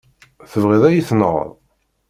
Tebɣiḍ ad yi-tenɣeḍ?